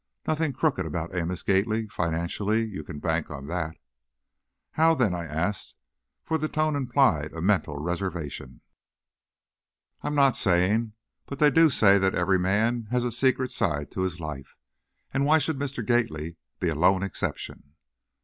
Nothing crooked about Amos Gately financially. You can bank on that!" "How, then?" I asked, for the tone implied a mental reservation. "I'm not saying. But they do say every man has a secret side to his life, and why should Mr. Gately be a lone exception?"